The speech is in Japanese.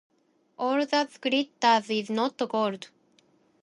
“All that glitters is not gold.”